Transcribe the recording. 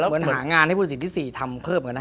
เหมือนหางานที่ภูตศิษฐ์ที่๔ทำเพิ่มกันนะ